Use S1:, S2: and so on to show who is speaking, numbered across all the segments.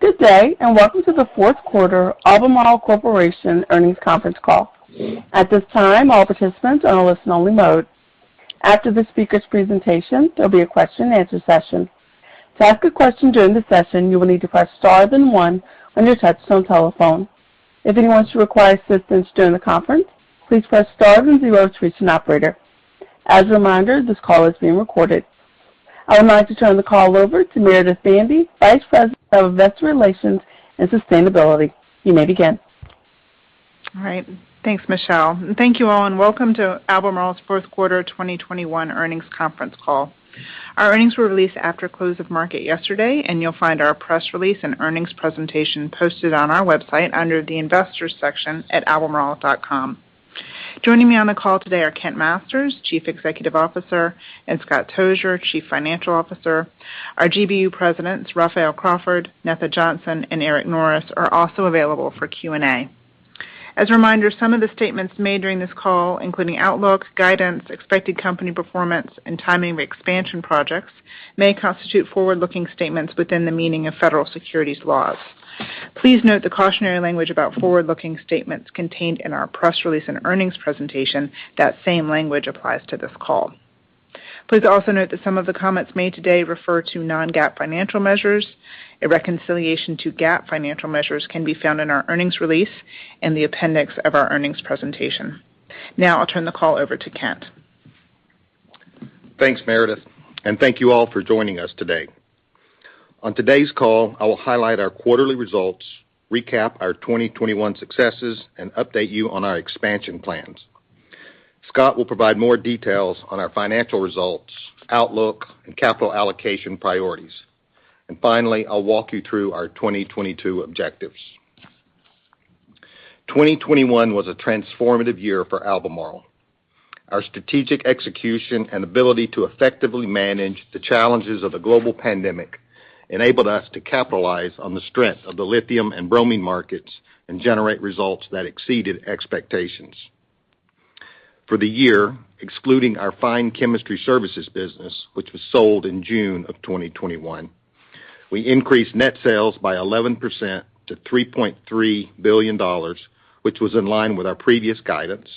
S1: Good day, and welcome to the Fourth Quarter Albemarle Corporation Earnings Conference Call. At this time, all participants are in a listen-only mode. After the speakers' presentation, there'll be a question-and-answer session. To ask a question during the session, you will need to press star then one on your touchtone telephone. If anyone should require assistance during the conference, please press star then zero to reach an operator. As a reminder, this call is being recorded. I would like to turn the call over to Meredith Bandy, Vice President of Investor Relations and Sustainability. You may begin.
S2: All right. Thanks, Michelle. Thank you all, and welcome to Albemarle's fourth quarter 2021 earnings conference call. Our earnings were released after close of market yesterday, and you'll find our press release and earnings presentation posted on our website under the Investors section at albemarle.com. Joining me on the call today are Kent Masters, Chief Executive Officer, and Scott Tozier, Chief Financial Officer. Our GBU presidents, Raphael Crawford, Netha Johnson, and Eric Norris are also available for Q&A. As a reminder, some of the statements made during this call, including outlooks, guidance, expected company performance, and timing of expansion projects, may constitute forward-looking statements within the meaning of federal securities laws. Please note the cautionary language about forward-looking statements contained in our press release and earnings presentation. That same language applies to this call. Please also note that some of the comments made today refer to non-GAAP financial measures. A reconciliation to GAAP financial measures can be found in our earnings release and the appendix of our earnings presentation. Now I'll turn the call over to Kent.
S3: Thanks, Meredith, and thank you all for joining us today. On today's call, I will highlight our quarterly results, recap our 2021 successes, and update you on our expansion plans. Scott will provide more details on our financial results, outlook, and capital allocation priorities. Finally, I'll walk you through our 2022 objectives. 2021 was a transformative year for Albemarle. Our strategic execution and ability to effectively manage the challenges of the global pandemic enabled us to capitalize on the strength of the lithium and bromine markets and generate results that exceeded expectations. For the year, excluding our Fine Chemistry Services business, which was sold in June of 2021, we increased net sales by 11% to $3.3 billion, which was in line with our previous guidance.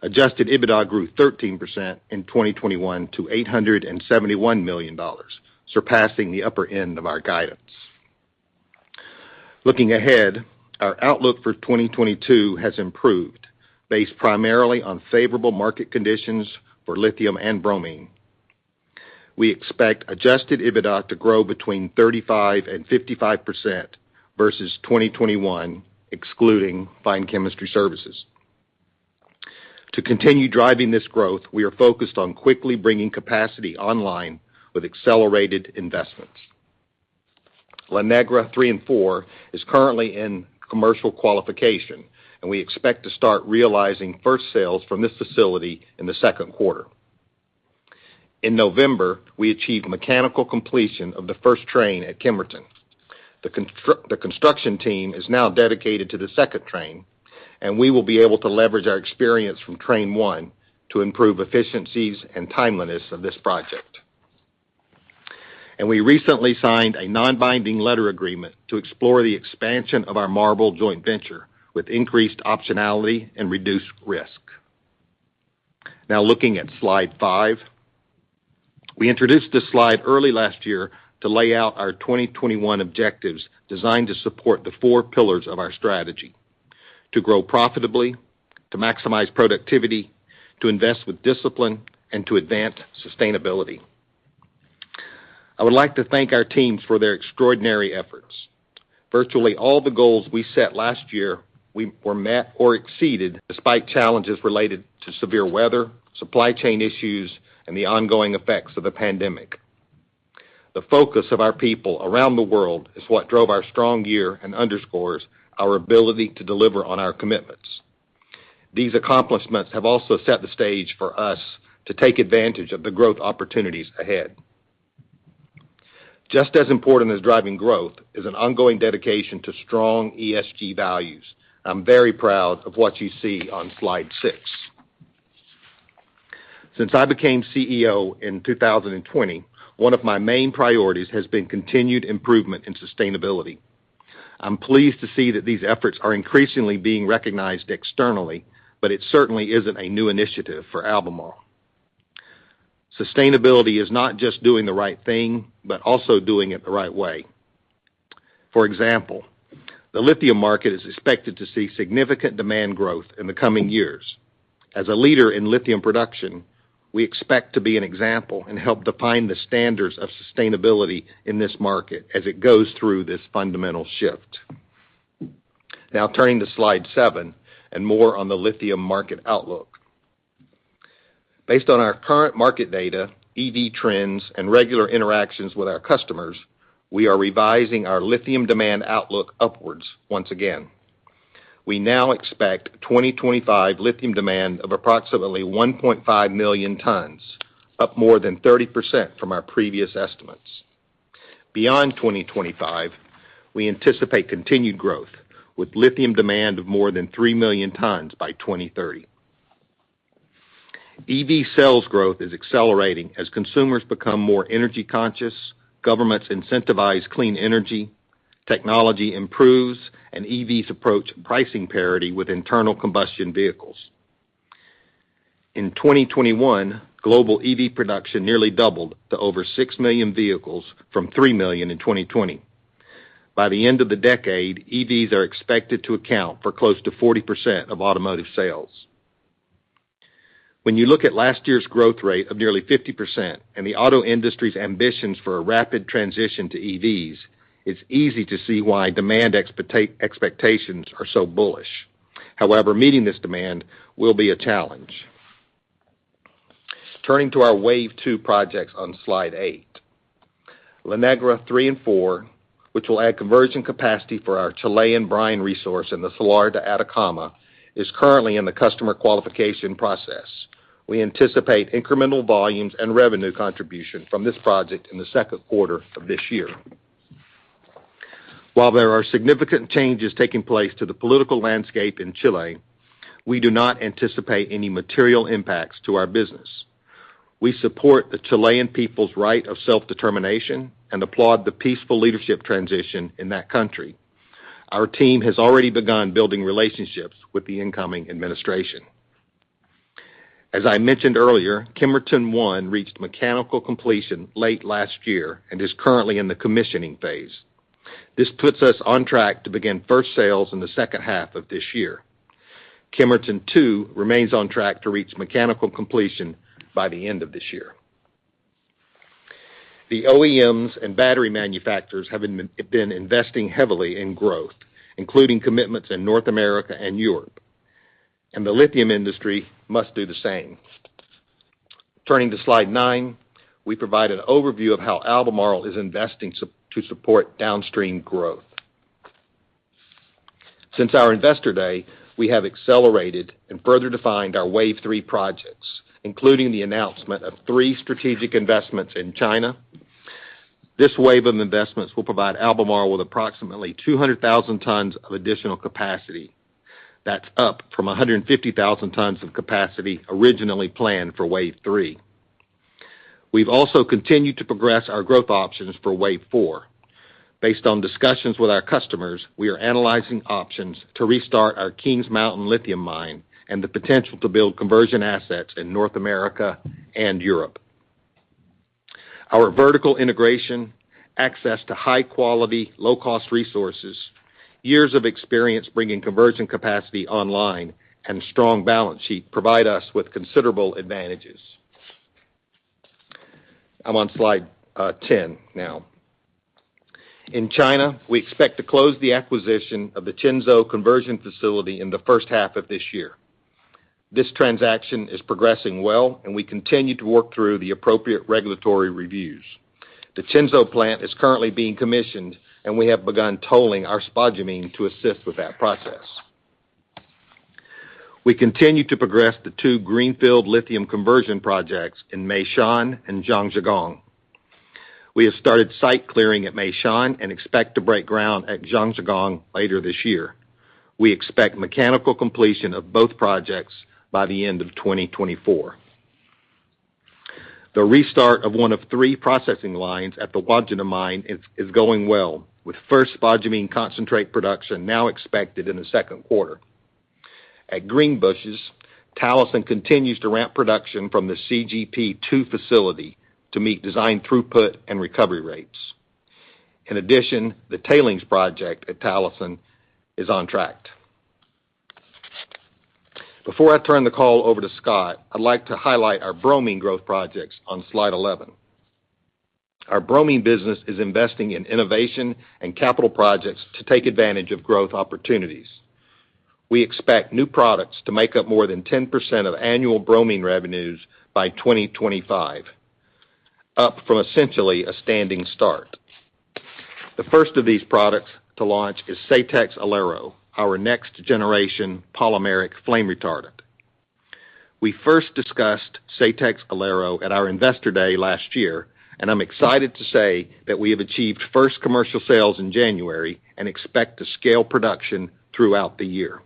S3: Adjusted EBITDA grew 13% in 2021 to $871 million, surpassing the upper end of our guidance. Looking ahead, our outlook for 2022 has improved based primarily on favorable market conditions for lithium and bromine. We expect adjusted EBITDA to grow between 35% and 55% versus 2021, excluding Fine Chemistry Services. To continue driving this growth, we are focused on quickly bringing capacity online with accelerated investments. La Negra III and IV is currently in commercial qualification, and we expect to start realizing first sales from this facility in the second quarter. In November, we achieved mechanical completion of the first train at Kemerton. The construction team is now dedicated to the second train, and we will be able to leverage our experience from train 1 to improve efficiencies and timeliness of this project. We recently signed a non-binding letter agreement to explore the expansion of our MARBL joint venture with increased optionality and reduced risk. Now looking at slide 5. We introduced this slide early last year to lay out our 2021 objectives designed to support the four pillars of our strategy to grow profitably, to maximize productivity, to invest with discipline, and to advance sustainability. I would like to thank our teams for their extraordinary efforts. Virtually all the goals we set last year were met or exceeded despite challenges related to severe weather, supply chain issues, and the ongoing effects of the pandemic. The focus of our people around the world is what drove our strong year and underscores our ability to deliver on our commitments. These accomplishments have also set the stage for us to take advantage of the growth opportunities ahead. Just as important as driving growth is an ongoing dedication to strong ESG values. I'm very proud of what you see on slide 6. Since I became CEO in 2020, one of my main priorities has been continued improvement in sustainability. I'm pleased to see that these efforts are increasingly being recognized externally, but it certainly isn't a new initiative for Albemarle. Sustainability is not just doing the right thing, but also doing it the right way. For example, the lithium market is expected to see significant demand growth in the coming years. As a leader in lithium production, we expect to be an example and help define the standards of sustainability in this market as it goes through this fundamental shift. Now turning to slide 7 and more on the lithium market outlook. Based on our current market data, EV trends, and regular interactions with our customers, we are revising our lithium demand outlook upwards once again. We now expect 2025 lithium demand of approximately 1.5 million tons, up more than 30% from our previous estimates. Beyond 2025, we anticipate continued growth, with lithium demand of more than 3 million tons by 2030. EV sales growth is accelerating as consumers become more energy conscious, governments incentivize clean energy, technology improves, and EVs approach pricing parity with internal combustion vehicles. In 2021, global EV production nearly doubled to over 6 million vehicles from 3 million in 2020. By the end of the decade, EVs are expected to account for close to 40% of automotive sales. When you look at last year's growth rate of nearly 50% and the auto industry's ambitions for a rapid transition to EVs, it's easy to see why demand expectations are so bullish. However, meeting this demand will be a challenge. Turning to our wave two projects on slide 8. La Negra III and IV, which will add conversion capacity for our Chilean brine resource in the Salar de Atacama, is currently in the customer qualification process. We anticipate incremental volumes and revenue contribution from this project in the second quarter of this year. While there are significant changes taking place to the political landscape in Chile, we do not anticipate any material impacts to our business. We support the Chilean people's right of self-determination and applaud the peaceful leadership transition in that country. Our team has already begun building relationships with the incoming administration. As I mentioned earlier, Kemerton 1 reached mechanical completion late last year and is currently in the commissioning phase. This puts us on track to begin first sales in the second half of this year. Kemerton 2 remains on track to reach mechanical completion by the end of this year. The OEMs and battery manufacturers have been investing heavily in growth, including commitments in North America and Europe, and the lithium industry must do the same. Turning to slide 9, we provide an overview of how Albemarle is investing to support downstream growth. Since our Investor Day, we have accelerated and further defined our wave three projects, including the announcement of three strategic investments in China. This wave of investments will provide Albemarle with approximately 200,000 tons of additional capacity. That's up from 150,000 tons of capacity originally planned for wave three. We've also continued to progress our growth options for wave four. Based on discussions with our customers, we are analyzing options to restart our Kings Mountain lithium mine and the potential to build conversion assets in North America and Europe. Our vertical integration, access to high quality, low cost resources, years of experience bringing conversion capacity online, and strong balance sheet provide us with considerable advantages. I'm on slide 10 now. In China, we expect to close the acquisition of the Qinzhou conversion facility in the first half of this year. This transaction is progressing well, and we continue to work through the appropriate regulatory reviews. The Qinzhou plant is currently being commissioned, and we have begun tolling our spodumene to assist with that process. We continue to progress the two greenfield lithium conversion projects in Meishan and Zhangjiagang. We have started site clearing at Meishan and expect to break ground at Zhangjiagang later this year. We expect mechanical completion of both projects by the end of 2024. The restart of one of three processing lines at the Wodgina Mine is going well, with first spodumene concentrate production now expected in the second quarter. At Greenbushes, Talison continues to ramp production from the CGP2 facility to meet design throughput and recovery rates. In addition, the tailings project at Talison is on track. Before I turn the call over to Scott, I'd like to highlight our bromine growth projects on slide 11. Our bromine business is investing in innovation and capital projects to take advantage of growth opportunities. We expect new products to make up more than 10% of annual bromine revenues by 2025, up from essentially a standing start. The first of these products to launch is SAYTEX ALERO, our next-generation polymeric flame retardant. We first discussed SAYTEX ALERO at our Investor Day last year, and I'm excited to say that we have achieved first commercial sales in January and expect to scale production throughout the year.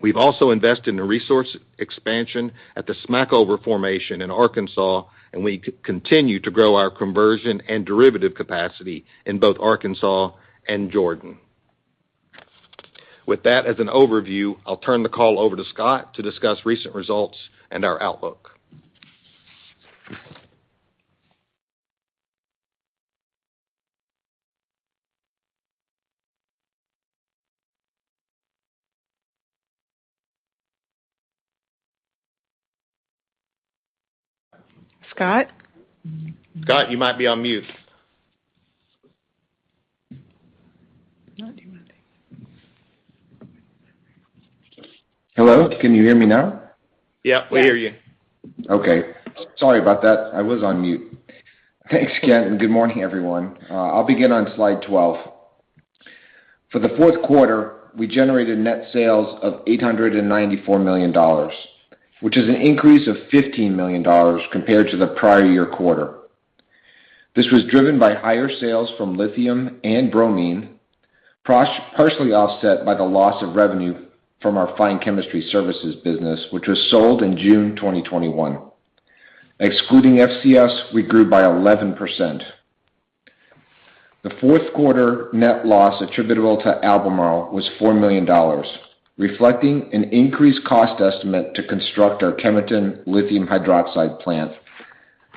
S3: We've also invested in a resource expansion at the Smackover formation in Arkansas, and we continue to grow our conversion and derivative capacity in both Arkansas and Jordan. With that as an overview, I'll turn the call over to Scott to discuss recent results and our outlook.
S1: Scott?
S3: Scott, you might be on mute. Not doing anything.
S4: Hello, can you hear me now?
S3: Yeah, we hear you.
S4: Okay. Sorry about that. I was on mute. Thanks again, and good morning, everyone. I'll begin on slide 12. For the fourth quarter, we generated net sales of $894 million, which is an increase of $15 million compared to the prior year quarter. This was driven by higher sales from lithium and bromine, partially offset by the loss of revenue from our Fine Chemistry Services business, which was sold in June 2021. Excluding FCS, we grew by 11%. The fourth quarter net loss attributable to Albemarle was $4 million, reflecting an increased cost estimate to construct our Kemerton lithium hydroxide plant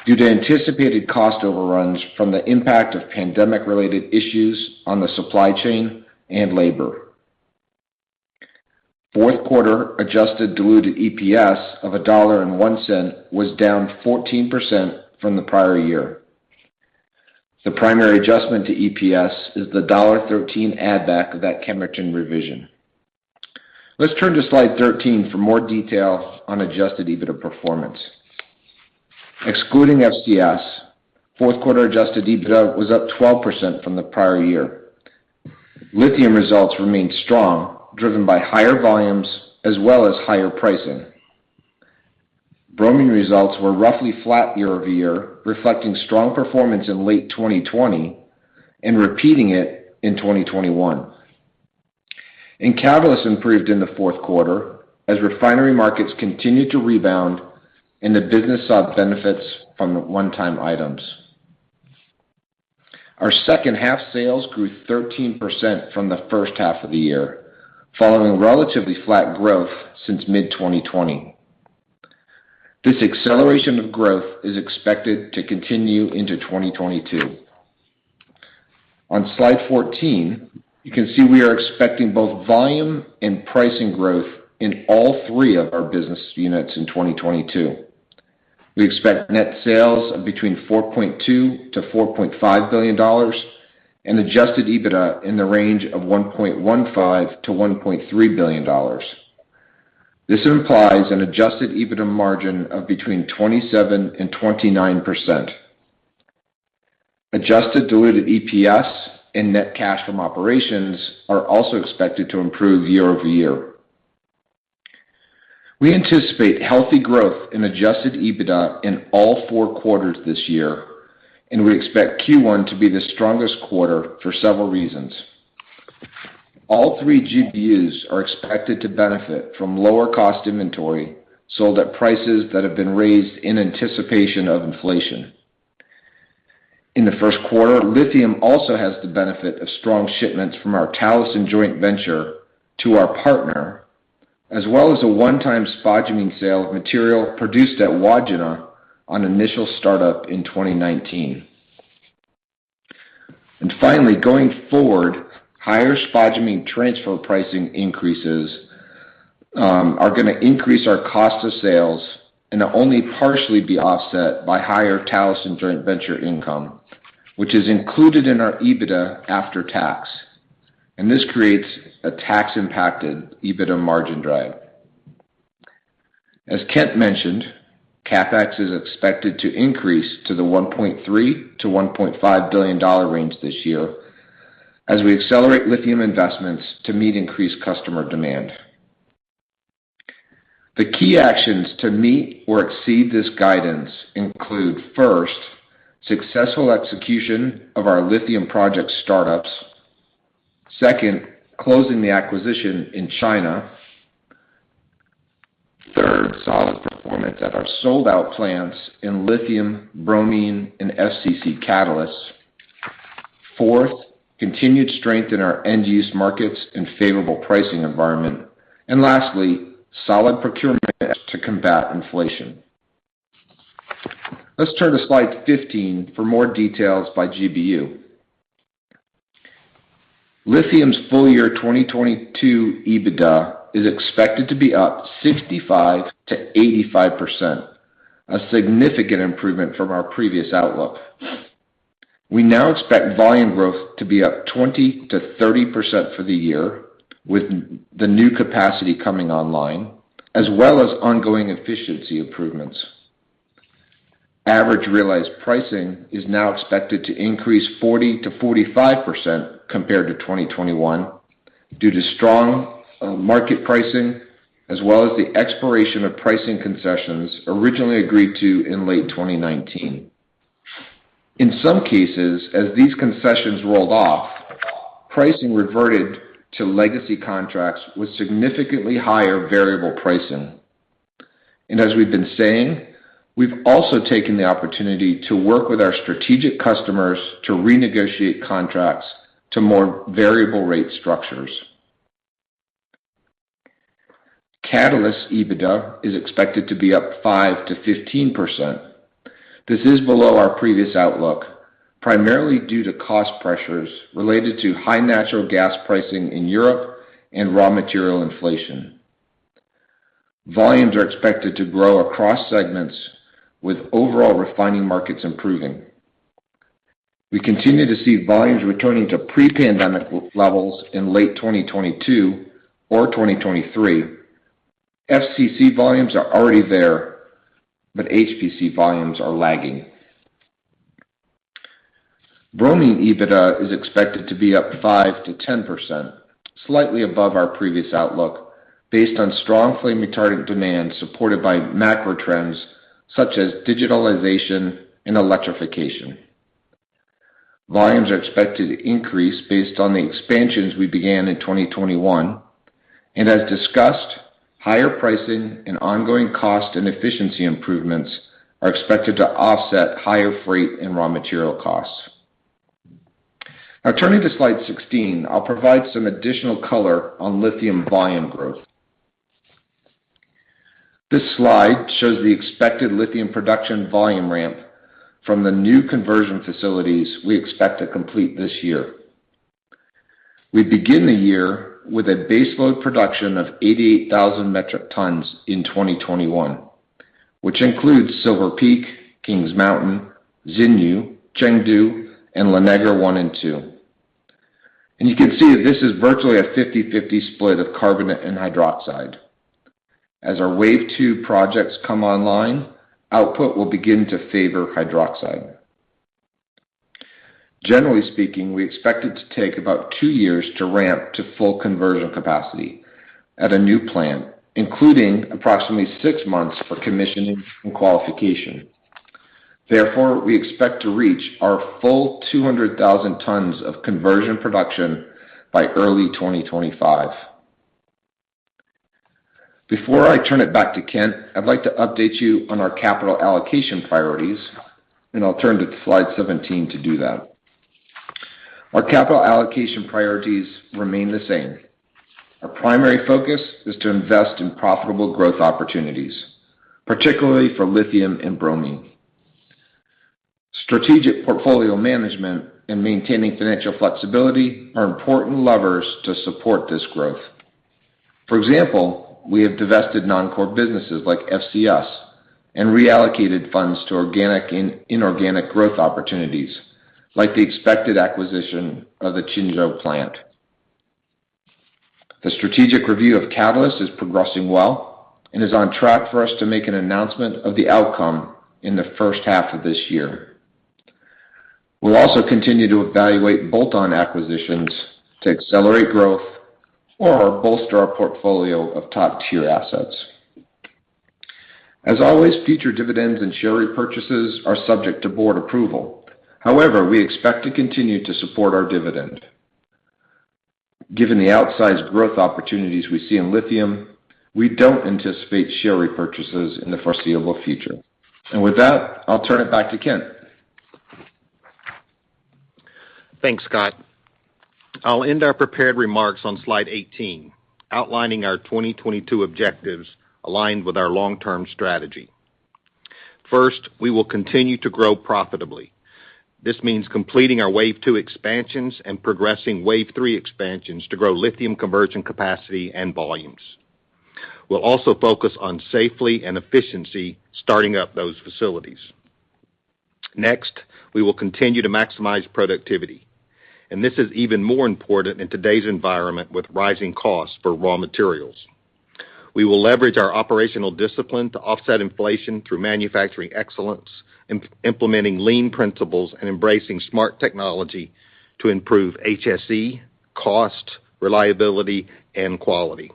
S4: due to anticipated cost overruns from the impact of pandemic-related issues on the supply chain and labor. Fourth quarter adjusted diluted EPS of $1.01 was down 14% from the prior year. The primary adjustment to EPS is the $13 add back of that Kemerton revision. Let's turn to slide 13 for more detail on adjusted EBITDA performance. Excluding FCS, fourth quarter adjusted EBITDA was up 12% from the prior year. Lithium results remained strong, driven by higher volumes as well as higher pricing. Bromine results were roughly flat year-over-year, reflecting strong performance in late 2020 and repeating it in 2021. Catalysts improved in the fourth quarter as refinery markets continued to rebound and the business saw benefits from one-time items. Our second half sales grew 13% from the first half of the year, following relatively flat growth since mid-2020. This acceleration of growth is expected to continue into 2022. On slide 14, you can see we are expecting both volume and pricing growth in all three of our business units in 2022. We expect net sales of between $4.2 billion-$4.5 billion and adjusted EBITDA in the range of $1.15 billion-$1.3 billion. This implies an adjusted EBITDA margin of between 27% and 29%. Adjusted diluted EPS and net cash from operations are also expected to improve year-over-year. We anticipate healthy growth in adjusted EBITDA in all four quarters this year, and we expect Q1 to be the strongest quarter for several reasons. All three GBUs are expected to benefit from lower cost inventory sold at prices that have been raised in anticipation of inflation. In the first quarter, lithium also has the benefit of strong shipments from our Talison joint venture to our partner, as well as a one-time spodumene sale of material produced at Wodgina on initial startup in 2019. Finally, going forward, higher spodumene transfer pricing increases are gonna increase our cost of sales and only partially be offset by higher Talison joint venture income, which is included in our EBITDA after tax. This creates a tax-impacted EBITDA margin drag. As Kent mentioned, CapEx is expected to increase to the $1.3 billion-$1.5 billion range this year as we accelerate lithium investments to meet increased customer demand. The key actions to meet or exceed this guidance include, first, successful execution of our lithium project startups. Second, closing the acquisition in China. Third, solid performance at our sold-out plants in lithium, bromine, and FCC catalysts. Fourth, continued strength in our end-use markets and favorable pricing environment. Lastly, solid procurement to combat inflation. Let's turn to slide 15 for more details by GBU. Lithium's full year 2022 EBITDA is expected to be up 65%-85%, a significant improvement from our previous outlook. We now expect volume growth to be up 20%-30% for the year with the new capacity coming online, as well as ongoing efficiency improvements. Average realized pricing is now expected to increase 40%-45% compared to 2021 due to strong market pricing as well as the expiration of pricing concessions originally agreed to in late 2019. In some cases, as these concessions rolled off, pricing reverted to legacy contracts with significantly higher variable pricing. As we've been saying, we've also taken the opportunity to work with our strategic customers to renegotiate contracts to more variable rate structures. Catalysts EBITDA is expected to be up 5%-15%. This is below our previous outlook, primarily due to cost pressures related to high natural gas pricing in Europe and raw material inflation. Volumes are expected to grow across segments with overall refining markets improving. We continue to see volumes returning to pre-pandemic levels in late 2022 or 2023. FCC volumes are already there, but HPC volumes are lagging. Bromine EBITDA is expected to be up 5%-10%, slightly above our previous outlook based on strong flame retardant demand supported by macro trends such as digitalization and electrification. Volumes are expected to increase based on the expansions we began in 2021. As discussed, higher pricing and ongoing cost and efficiency improvements are expected to offset higher freight and raw material costs. Now turning to slide 16, I'll provide some additional color on lithium volume growth. This slide shows the expected lithium production volume ramp from the new conversion facilities we expect to complete this year. We begin the year with a base load production of 88,000 metric tons in 2021, which includes Silver Peak, Kings Mountain, Xinyu, Chengdu, and La Negra I and II. You can see that this is virtually a 50-50 split of carbonate and hydroxide. As our wave 2 projects come online, output will begin to favor hydroxide. Generally speaking, we expect it to take about 2 years to ramp to full conversion capacity at a new plant, including approximately 6 months for commissioning and qualification. Therefore, we expect to reach our full 200,000 tons of conversion production by early 2025. Before I turn it back to Kent, I'd like to update you on our capital allocation priorities, and I'll turn to slide 17 to do that. Our capital allocation priorities remain the same. Our primary focus is to invest in profitable growth opportunities, particularly for lithium and bromine. Strategic portfolio management and maintaining financial flexibility are important levers to support this growth. For example, we have divested non-core businesses like FCS and reallocated funds to organic and inorganic growth opportunities, like the expected acquisition of the Qinzhou plant. The strategic review of Catalysts is progressing well and is on track for us to make an announcement of the outcome in the first half of this year. We'll also continue to evaluate bolt-on acquisitions to accelerate growth or bolster our portfolio of top-tier assets. As always, future dividends and share repurchases are subject to board approval. However, we expect to continue to support our dividend. Given the outsized growth opportunities we see in lithium, we don't anticipate share repurchases in the foreseeable future. With that, I'll turn it back to Kent.
S3: Thanks, Scott. I'll end our prepared remarks on slide 18, outlining our 2022 objectives aligned with our long-term strategy. First, we will continue to grow profitably. This means completing our wave 2 expansions and progressing wave 3 expansions to grow lithium conversion capacity and volumes. We'll also focus on safety and efficiency starting up those facilities. Next, we will continue to maximize productivity. This is even more important in today's environment with rising costs for raw materials. We will leverage our operational discipline to offset inflation through manufacturing excellence, implementing lean principles and embracing smart technology to improve HSE, cost, reliability, and quality.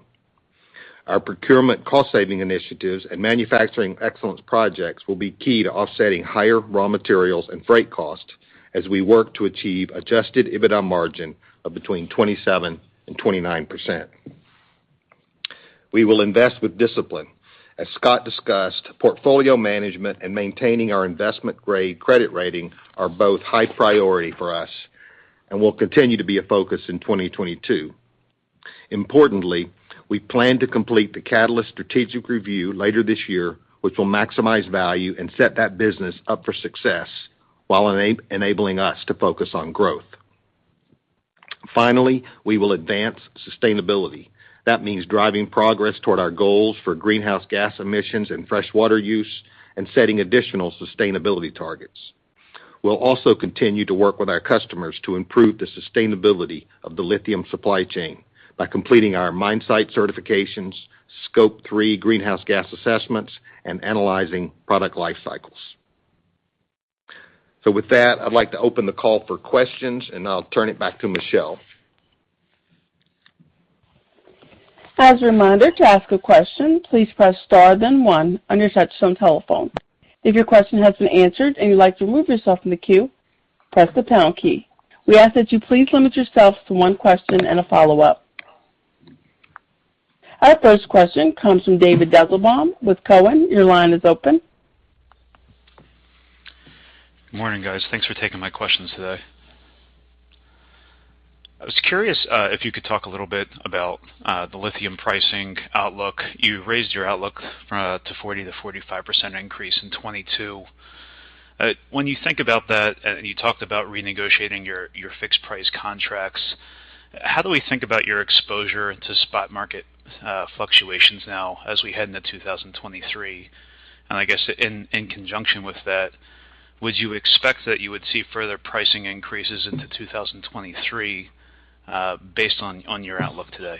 S3: Our procurement cost-saving initiatives and manufacturing excellence projects will be key to offsetting higher raw materials and freight costs as we work to achieve adjusted EBITDA margin of between 27% and 29%. We will invest with discipline. As Scott discussed, portfolio management and maintaining our investment grade credit rating are both high priority for us and will continue to be a focus in 2022. Importantly, we plan to complete the Catalyst strategic review later this year, which will maximize value and set that business up for success while enabling us to focus on growth. Finally, we will advance sustainability. That means driving progress toward our goals for greenhouse gas emissions and freshwater use and setting additional sustainability targets. We'll also continue to work with our customers to improve the sustainability of the lithium supply chain by completing our mine site certifications, Scope 3 greenhouse gas assessments, and analyzing product life cycles. With that, I'd like to open the call for questions, and I'll turn it back to Michelle.
S1: As a reminder, to ask a question, please press star then one on your touch tone telephone. If your question has been answered and you'd like to remove yourself from the queue, press the pound key. We ask that you please limit yourself to one question and a follow-up. Our first question comes from David Deckelbaum with Cowen. Your line is open.
S5: Good morning, guys. Thanks for taking my questions today. I was curious if you could talk a little bit about the lithium pricing outlook. You raised your outlook to 40%-45% increase in 2022. When you think about that, and you talked about renegotiating your fixed price contracts, how do we think about your exposure to spot market fluctuations now as we head into 2023? I guess in conjunction with that, would you expect that you would see further pricing increases into 2023 based on your outlook today?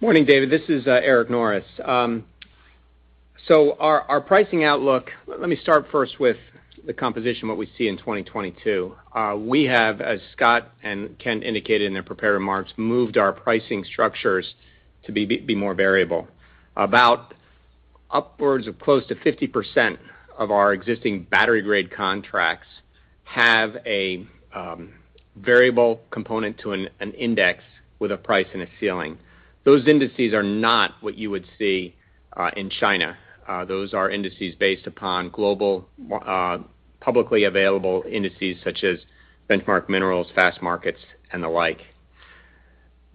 S6: Morning, David. This is Eric Norris. Our pricing outlook, let me start first with the composition, what we see in 2022. We have, as Scott and Kent indicated in their prepared remarks, moved our pricing structures to be more variable. About upwards of close to 50% of our existing battery-grade contracts have a variable component to an index with a price and a ceiling. Those indices are not what you would see in China. Those are indices based upon global publicly available indices such as Benchmark Minerals, Fastmarkets, and the like.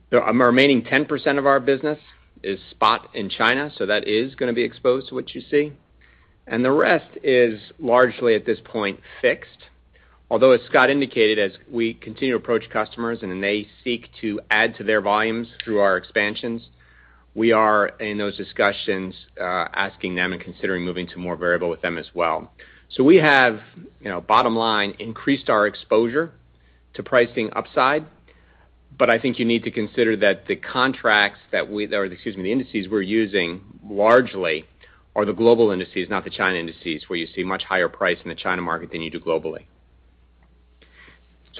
S6: The remaining 10% of our business is spot in China, so that is gonna be exposed to what you see. The rest is largely, at this point, fixed. Although as Scott indicated, as we continue to approach customers and they seek to add to their volumes through our expansions, we are in those discussions, asking them and considering moving to more variable with them as well. We have, you know, bottom line, increased our exposure to pricing upside, but I think you need to consider that the indices we're using largely are the global indices, not the China indices, where you see much higher price in the China market than you do globally.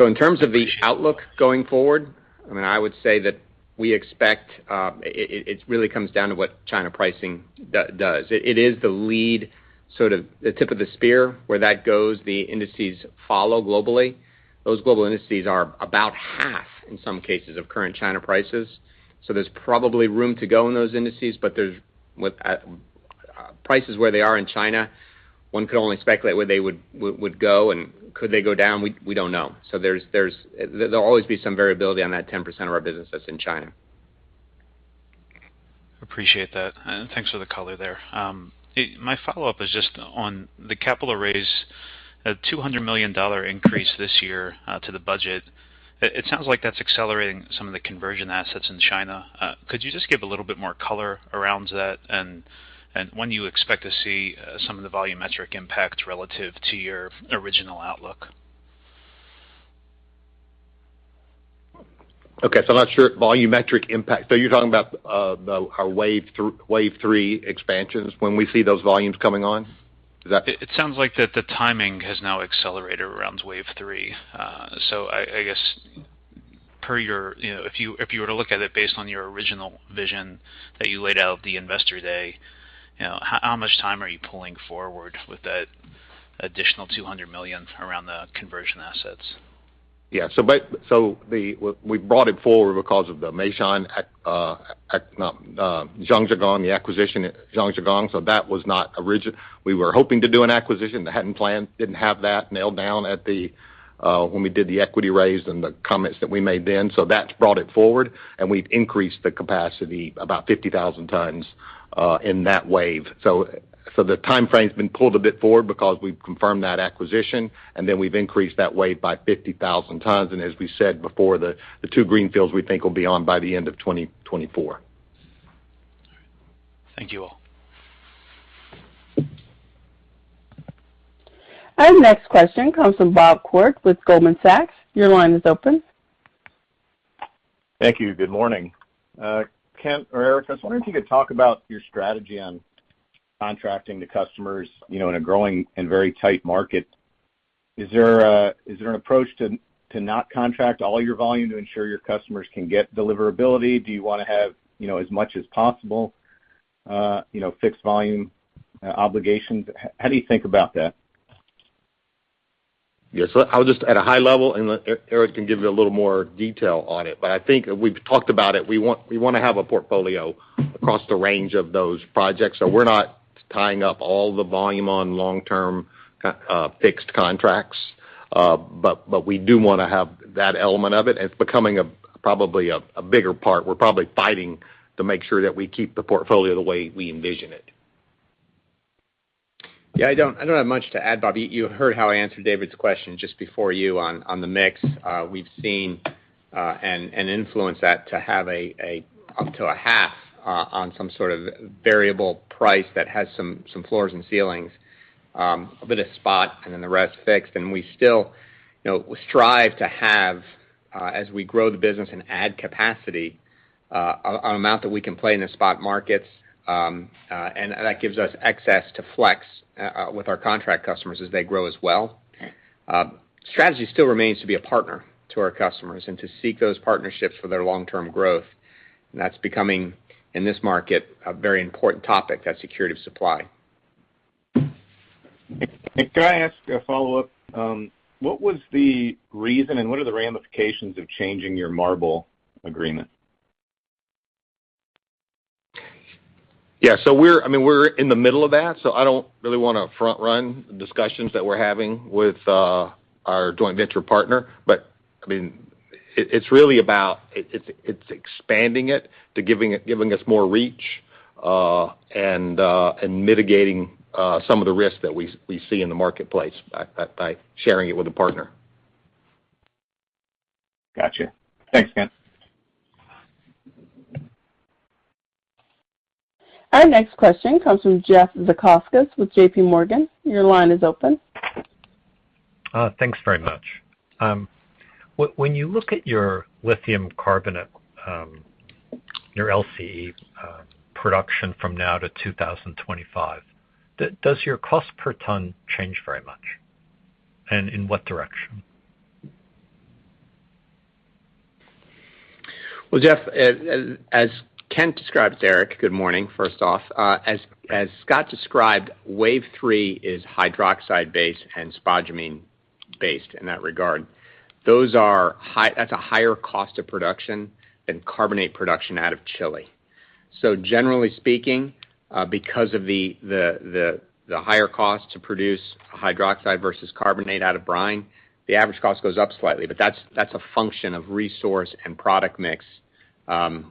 S6: In terms of the outlook going forward, I mean, I would say that we expect, it really comes down to what China pricing does. It is the lead, sort of the tip of the spear. Where that goes, the indices follow globally. Those global indices are about half, in some cases, of current China prices. There's probably room to go in those indices, but there's with prices where they are in China, one could only speculate where they would go and could they go down? We don't know. There's there'll always be some variability on that 10% of our business that's in China.
S5: Appreciate that, and thanks for the color there. My follow-up is just on the capital raise, a $200 million increase this year to the budget. It sounds like that's accelerating some of the conversion assets in China. Could you just give a little bit more color around that and when you expect to see some of the volumetric impact relative to your original outlook?
S3: Okay. I'm not sure. Volumetric impact. You're talking about our wave three expansions when we see those volumes coming on? Is that-
S5: It sounds like the timing has now accelerated around wave three. So I guess per your, you know, if you were to look at it based on your original vision that you laid out at the investor day, you know, how much time are you pulling forward with that additional $200 million around the conversion assets?
S3: We brought it forward because of the acquisition at Zhangjiagang. We were hoping to do an acquisition, hadn't planned, didn't have that nailed down at the time when we did the equity raise and the comments that we made then. That's brought it forward, and we've increased the capacity about 50,000 tons in that wave. The timeframe's been pulled a bit forward because we've confirmed that acquisition, and then we've increased that wave by 50,000 tons. As we said before, the two greenfields we think will be on by the end of 2024.
S5: All right. Thank you all.
S1: Our next question comes from Bob Koort with Goldman Sachs. Your line is open.
S7: Thank you. Good morning. Kent or Eric, I was wondering if you could talk about your strategy on contracting to customers, you know, in a growing and very tight market. Is there an approach to not contract all your volume to ensure your customers can get deliverability? Do you wanna have, you know, as much as possible, you know, fixed volume obligations? How do you think about that?
S3: Yes. I was just at a high level, and Eric can give you a little more detail on it, but I think we've talked about it. We want, we wanna have a portfolio across the range of those projects. We're not tying up all the volume on long-term fixed contracts, but we do wanna have that element of it, and it's becoming probably a bigger part. We're probably fighting to make sure that we keep the portfolio the way we envision it.
S6: Yeah. I don't have much to add, Bob. You heard how I answered David's question just before you on the mix. We've seen an influence that to have up to a half on some sort of variable price that has some floors and ceilings, a bit of spot and then the rest fixed. We still, you know, strive to have, as we grow the business and add capacity, an amount that we can play in the spot markets, and that gives us access to flex with our contract customers as they grow as well. Strategy still remains to be a partner to our customers and to seek those partnerships for their long-term growth. That's becoming, in this market, a very important topic, that security of supply.
S7: Can I ask a follow-up? What was the reason and what are the ramifications of changing your MARBL agreement?
S3: Yeah. I mean, we're in the middle of that, so I don't really wanna front run discussions that we're having with our joint venture partner. I mean, it's really about, it's expanding it to giving us more reach, and mitigating some of the risks that we see in the marketplace by sharing it with a partner.
S7: Gotcha. Thanks, Kent.
S1: Our next question comes from Jeff Zekauskas with JPMorgan. Your line is open.
S8: Thanks very much. When you look at your lithium carbonate, your LCE, production from now to 2025, does your cost per ton change very much, and in what direction?
S6: Well, Jeff, as Kent described, Eric, good morning, first off. As Scott described, wave three is hydroxide based and spodumene based in that regard. Those are at a higher cost of production than carbonate production out of Chile. Generally speaking, because of the higher cost to produce hydroxide versus carbonate out of brine, the average cost goes up slightly. That's a function of resource and product mix.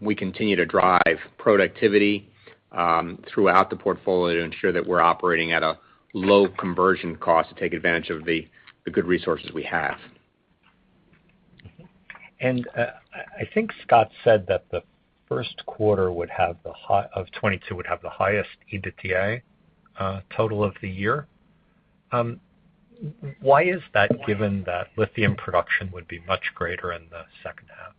S6: We continue to drive productivity throughout the portfolio to ensure that we're operating at a low conversion cost to take advantage of the good resources we have.
S8: I think Scott said that the first quarter of 2022 would have the highest EBITDA total of the year. Why is that given that lithium production would be much greater in the second half?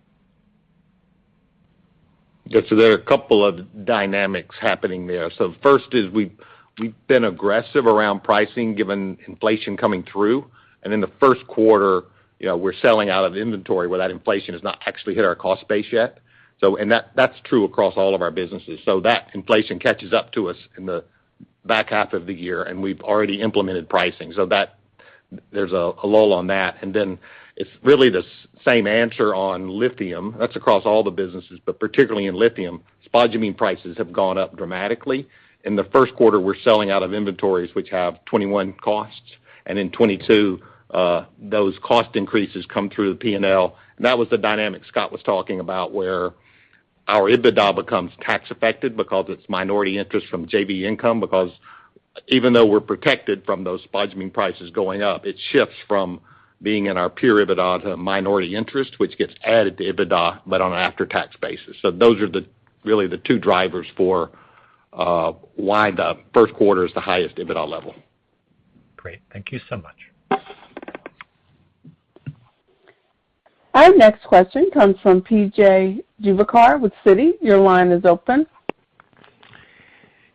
S3: Yeah. There are a couple of dynamics happening there. First is we've been aggressive around pricing given inflation coming through. In the first quarter, you know, we're selling out of inventory where that inflation has not actually hit our cost base yet. That's true across all of our businesses. That inflation catches up to us in the back half of the year, and we've already implemented pricing. There's a lull on that. Then it's really the same answer on lithium. That's across all the businesses, but particularly in lithium. Spodumene prices have gone up dramatically. In the first quarter, we're selling out of inventories which have 2021 costs. And in 2022, those cost increases come through the P&L. That was the dynamic Scott was talking about where our EBITDA becomes tax affected because it's minority interest from JV income because even though we're protected from those spodumene prices going up, it shifts from being in our pure EBITDA to minority interest, which gets added to EBITDA but on an after-tax basis. Those are really the two drivers for why the first quarter is the highest EBITDA level.
S8: Great. Thank you so much.
S1: Our next question comes from PJ Juvekar with Citi. Your line is open.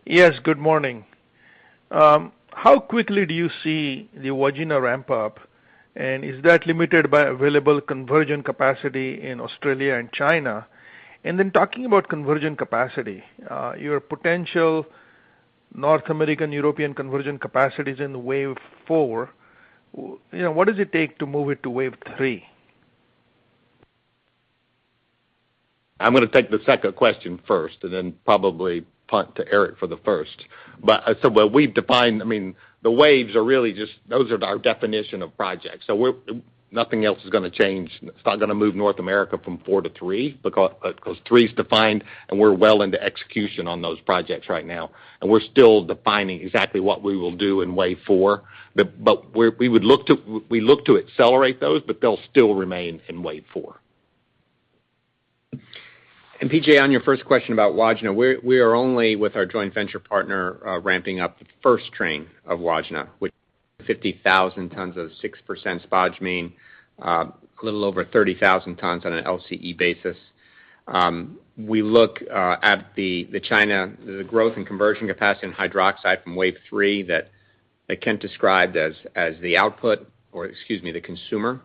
S9: Yes, good morning. How quickly do you see the Wodgina ramp up, and is that limited by available conversion capacity in Australia and China? Talking about conversion capacity, your potential North American, European conversion capacity is in wave four. You know, what does it take to move it to wave three?
S3: I'm gonna take the second question first and then probably punt to Eric for the first. What we've defined, I mean, the waves are really just those are our definition of projects. Nothing else is gonna change. It's not gonna move North America from 4 to 3 because 3 is defined and we're well into execution on those projects right now. We're still defining exactly what we will do in wave 4. We look to accelerate those, but they'll still remain in wave 4.
S6: PJ, on your first question about Wodgina, we are only with our joint venture partner ramping up the first train of Wodgina, which is 50,000 tons of 6% spodumene, a little over 30,000 tons on an LCE basis. We look at the Chinese growth and conversion capacity in hydroxide from wave three that Kent described as the outlet or excuse me, the consumer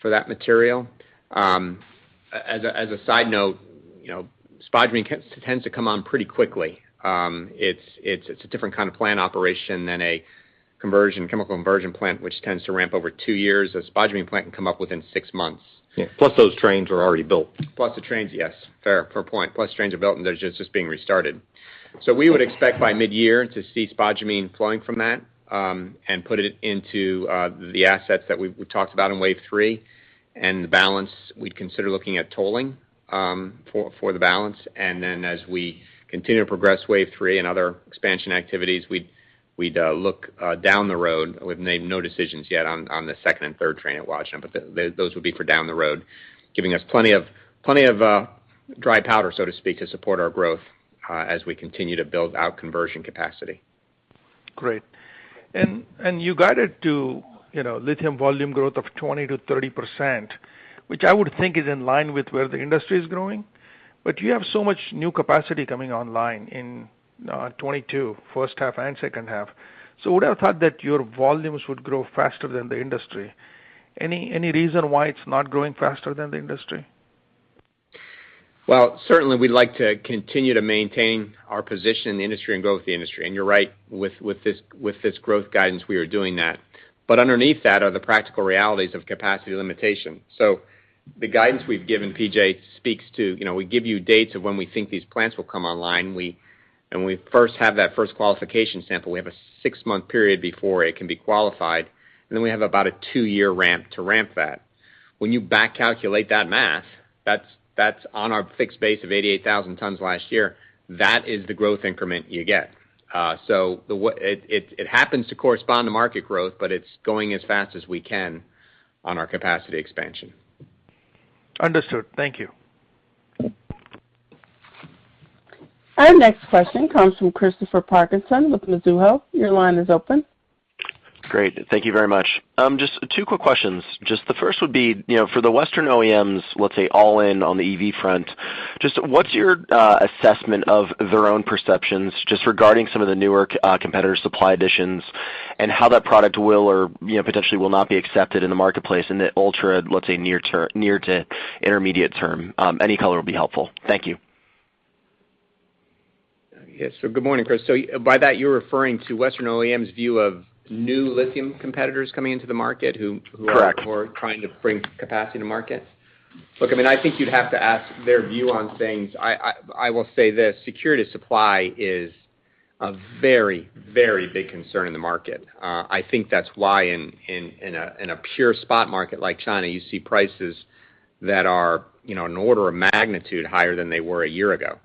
S6: for that material. As a side note, you know, spodumene tends to come on pretty quickly. It's a different kind of plant operation than a conversion, chemical conversion plant, which tends to ramp over two years. A spodumene plant can come up within six months.
S3: Yeah. Plus those trains are already built.
S6: Plus the trains, yes. Fair point. Plus trains are built and they're just being restarted. We would expect by mid-year to see spodumene flowing from that, and put it into the assets that we talked about in wave three. The balance we'd consider looking at tolling for the balance. Then as we continue to progress wave three and other expansion activities, we'd look down the road. We've made no decisions yet on the second and third train at Wodgina, but those would be for down the road, giving us plenty of dry powder, so to speak, to support our growth, as we continue to build out conversion capacity.
S9: Great. You guided to, you know, lithium volume growth of 20%-30%, which I would think is in line with where the industry is growing. You have so much new capacity coming online in 2022, first half and second half. Would I have thought that your volumes would grow faster than the industry? Any reason why it's not growing faster than the industry?
S6: Well, certainly we'd like to continue to maintain our position in the industry and grow with the industry. You're right, with this growth guidance, we are doing that. Underneath that are the practical realities of capacity limitation. The guidance we've given, PJ, speaks to, you know, we give you dates of when we think these plants will come online. When we first have that first qualification sample, we have a six-month period before it can be qualified, and then we have about a two-year ramp to ramp that. When you back calculate that math, that's on our fixed base of 88,000 tons last year. That is the growth increment you get. So it happens to correspond to market growth, but it's going as fast as we can on our capacity expansion.
S9: Understood. Thank you.
S1: Our next question comes from Christopher Parkinson with Mizuho. Your line is open.
S10: Great. Thank you very much. Just two quick questions. Just the first would be, you know, for the Western OEMs, let's say all in on the EV front, just what's your assessment of their own perceptions just regarding some of the newer competitor supply additions and how that product will or, you know, potentially will not be accepted in the marketplace in the ultra, let's say near to intermediate term? Any color will be helpful. Thank you.
S6: Yes. Good morning, Chris. By that, you're referring to Western OEM's view of new lithium competitors coming into the market who are-
S10: Correct
S6: ...who are trying to bring capacity to market? Look, I mean, I think you'd have to ask their view on things. I will say this, security of supply is a very, very big concern in the market. I think that's why in a pure spot market like China, you see prices that are, you know, an order of magnitude higher than they were a year ago.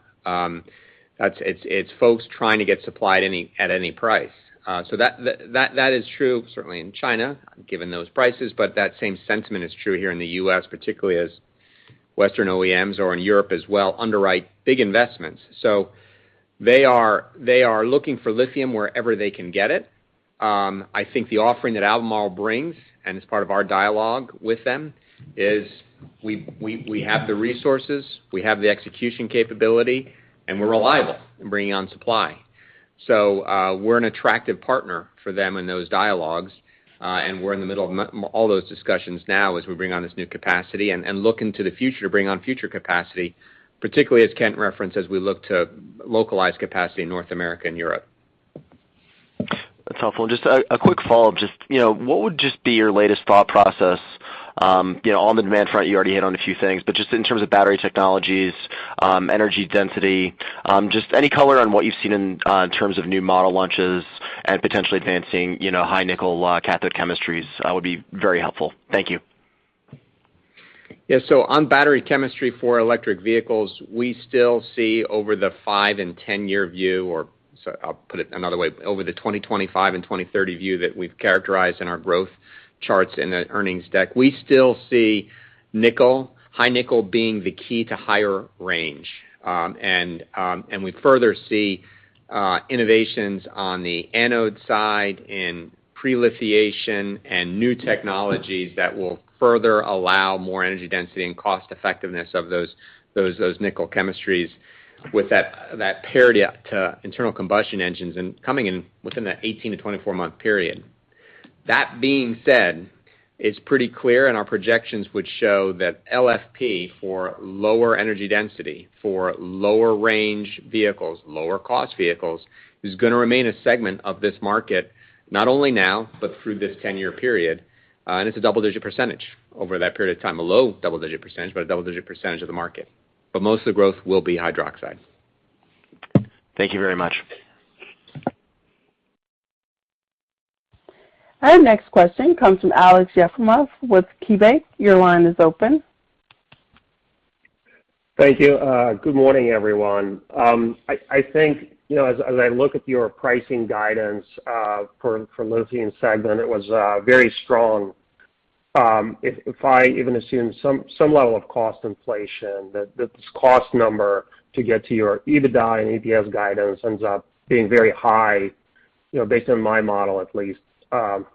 S6: That's it's folks trying to get supplied at any price. That is true certainly in China, given those prices, but that same sentiment is true here in the U.S., particularly as Western OEMs or in Europe as well underwrite big investments. They are looking for lithium wherever they can get it. I think the offering that Albemarle brings, and as part of our dialogue with them, is we have the resources, we have the execution capability, and we're reliable in bringing on supply. We're an attractive partner for them in those dialogues, and we're in the middle of all those discussions now as we bring on this new capacity and look into the future to bring on future capacity, particularly as Kent referenced, as we look to localize capacity in North America and Europe.
S10: That's helpful. Just a quick follow-up. You know, what would just be your latest thought process, you know, on the demand front, you already hit on a few things, but just in terms of battery technologies, energy density, just any color on what you've seen in terms of new model launches and potentially advancing, you know, high nickel cathode chemistries, would be very helpful. Thank you.
S6: On battery chemistry for electric vehicles, we still see over the 5- and 10-year view, so I'll put it another way, over the 2025 and 2030 view that we've characterized in our growth charts in the earnings deck. We still see nickel, high nickel being the key to higher range. We further see innovations on the anode side in pre-lithiation and new technologies that will further allow more energy density and cost effectiveness of those nickel chemistries with that parity to internal combustion engines and coming in within that 18- to 24-month period. That being said, it's pretty clear and our projections would show that LFP for lower energy density, for lower range vehicles, lower cost vehicles, is gonna remain a segment of this market, not only now, but through this 10-year period. It's a double-digit % over that period of time, a low double-digit %, but a double-digit % of the market. Most of the growth will be hydroxide.
S10: Thank you very much.
S1: Our next question comes from Aleksey Yefremov with KeyBank. Your line is open.
S11: Thank you. Good morning, everyone. I think, you know, as I look at your pricing guidance for Lithium segment, it was very strong. If I even assume some level of cost inflation that this cost number to get to your EBITDA and EPS guidance ends up being very high, you know, based on my model at least,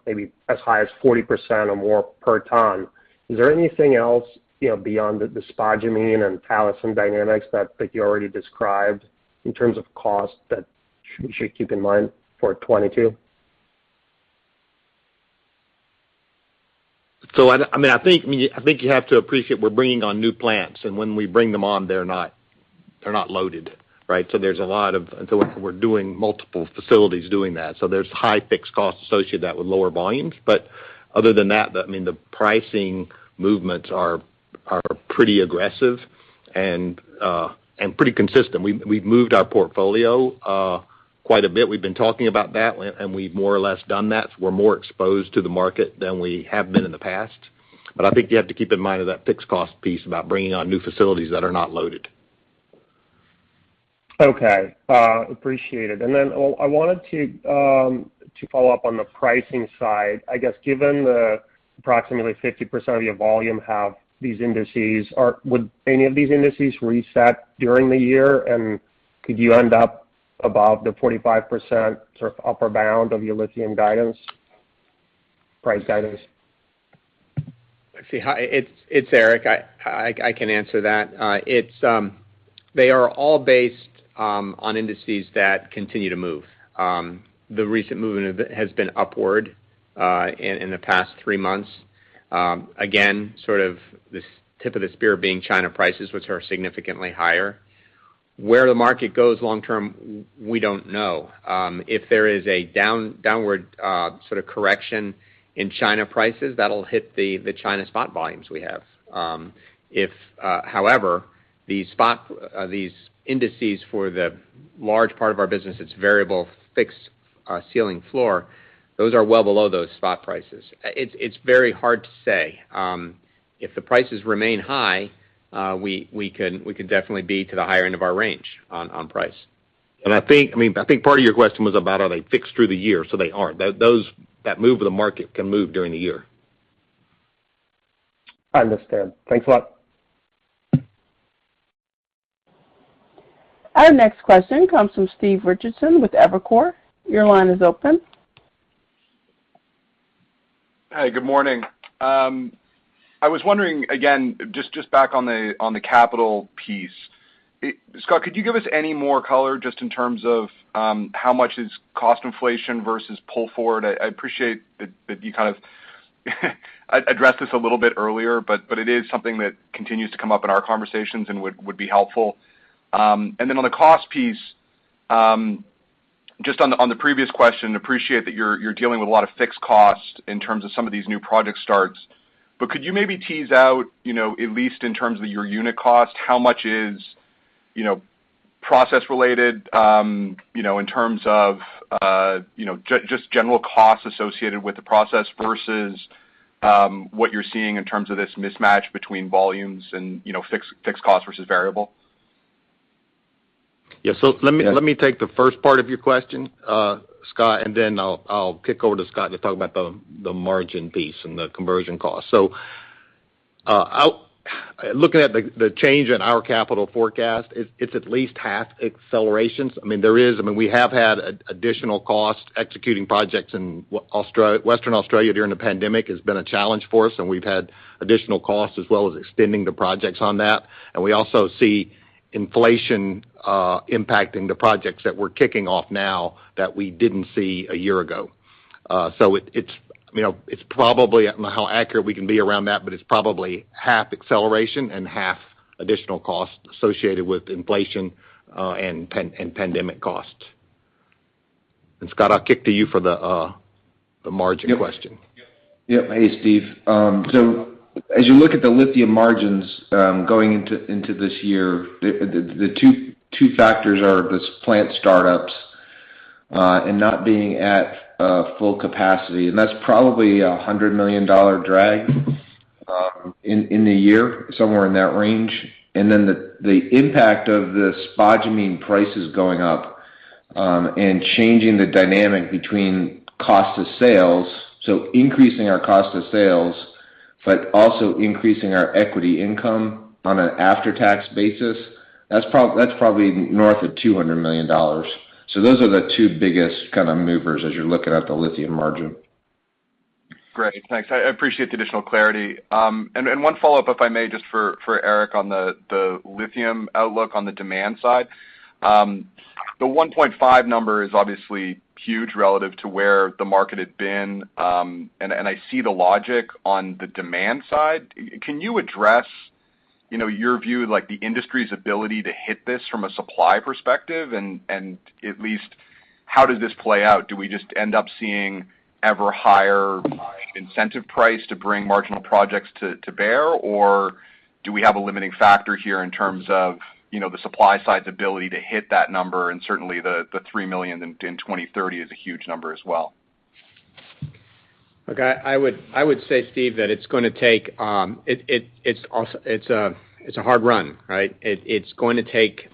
S11: maybe as high as 40% or more per ton. Is there anything else, you know, beyond the spodumene and Talison dynamics that you already described in terms of cost that we should keep in mind for 2022?
S6: I mean, I think you have to appreciate we're bringing on new plants, and when we bring them on, they're not loaded, right? We're doing multiple facilities doing that. There's high fixed costs associated with that with lower volumes. But other than that, I mean, the pricing movements are pretty aggressive and pretty consistent. We've moved our portfolio quite a bit. We've been talking about that and we've more or less done that. We're more exposed to the market than we have been in the past. But I think you have to keep in mind of that fixed cost piece about bringing on new facilities that are not loaded.
S11: Okay. Appreciate it. I wanted to follow up on the pricing side. I guess, given the approximately 50% of your volume have these indices, would any of these indices reset during the year? Could you end up above the 45% sort of upper bound of your lithium guidance, price guidance?
S6: Hi, it's Eric. I can answer that. They are all based on indices that continue to move. The recent movement has been upward in the past three months. Again, sort of this tip of the spear being China prices, which are significantly higher. Where the market goes long term, we don't know. If there is a downward sort of correction in China prices, that'll hit the China spot volumes we have. However, the spot these indices for the large part of our business, it's variable fixed ceiling floor, those are well below those spot prices. It's very hard to say. If the prices remain high, we can definitely be to the higher end of our range on price.
S3: I think, I mean, I think part of your question was about are they fixed through the year? They aren't. That move of the market can move during the year.
S11: I understand. Thanks a lot.
S1: Our next question comes from Steve Richardson with Evercore. Your line is open.
S12: Hi, good morning. I was wondering, again, just back on the capital piece. Scott, could you give us any more color just in terms of how much is cost inflation versus pull forward? I appreciate that you kind of addressed this a little bit earlier, but it is something that continues to come up in our conversations and would be helpful. Then on the cost piece, just on the previous question, appreciate that you're dealing with a lot of fixed costs in terms of some of these new project starts. Could you maybe tease out, you know, at least in terms of your unit cost, how much is, you know, process related, you know, in terms of, you know, just general costs associated with the process versus, what you're seeing in terms of this mismatch between volumes and, you know, fixed costs versus variable?
S3: Yeah. Let me take the first part of your question, Scott, and then I'll kick over to Scott to talk about the margin piece and the conversion cost. Looking at the change in our capital forecast, it's at least half accelerations. I mean, we have had additional costs. Executing projects in Australia, Western Australia during the pandemic has been a challenge for us, and we've had additional costs as well as extending the projects on that. We also see inflation impacting the projects that we're kicking off now that we didn't see a year ago. It's, you know, it's probably, I don't know how accurate we can be around that, but it's probably half acceleration and half additional costs associated with inflation and pandemic costs. Scott, I'll kick to you for the margin question.
S4: Yep. Hey, Steve. So as you look at the lithium margins, going into this year, the two factors are just plant startups and not being at full capacity. That's probably a $100 million drag in the year, somewhere in that range. Then the impact of the spodumene prices going up and changing the dynamic between cost of sales, so increasing our cost of sales, but also increasing our equity income on an after-tax basis, that's probably north of $200 million. Those are the two biggest kind of movers as you're looking at the lithium margin.
S12: Great. Thanks. I appreciate the additional clarity. And one follow-up, if I may, just for Eric on the lithium outlook on the demand side. The 1.5 number is obviously huge relative to where the market had been, and I see the logic on the demand side. Can you address, you know, your view, like the industry's ability to hit this from a supply perspective? And at least how does this play out? Do we just end up seeing ever higher incentive price to bring marginal projects to bear? Or do we have a limiting factor here in terms of, you know, the supply side's ability to hit that number? And certainly the 3 million in 2030 is a huge number as well.
S6: Look, I would say, Steve, that it's going to take. It's a hard run, right? It's going to take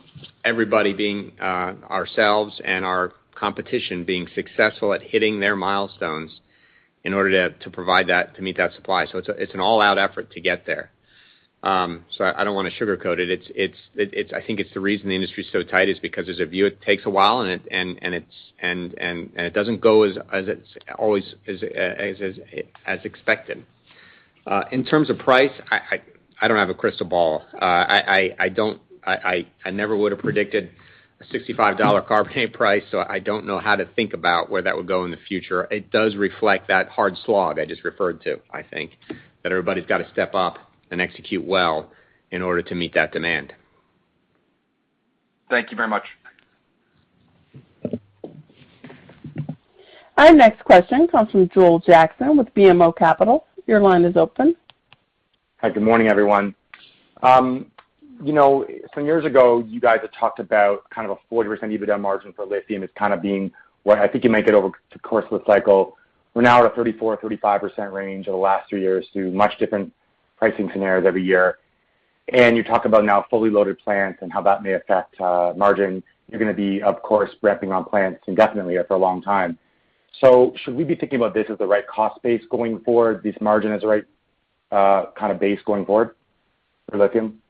S6: everybody, ourselves and our competition, being successful at hitting their milestones in order to provide that, to meet that supply. So it's an all-out effort to get there. I don't wanna sugarcoat it. I think it's the reason the industry is so tight is because there's a view it takes a while and it doesn't go as it's always expected. In terms of price, I don't have a crystal ball. I never would have predicted a $65 carbonate price, so I don't know how to think about where that would go in the future. It does reflect that hard slog I just referred to, I think, that everybody's gotta step up and execute well in order to meet that demand.
S12: Thank you very much.
S1: Our next question comes from Joel Jackson with BMO Capital. Your line is open.
S13: Hi, good morning, everyone. You know, some years ago, you guys had talked about kind of a 40% EBITDA margin for lithium as kind of being what I think you might get over the course of the cycle. We're now at a 34%-35% range over the last three years through much different pricing scenarios every year. You talk about now fully loaded plants and how that may affect margin. You're gonna be, of course, ramping on plants indefinitely or for a long time. Should we be thinking about this as the right cost base going forward, this margin as the right kind of base going forward for lithium?